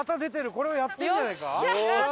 これはやってるんじゃないか？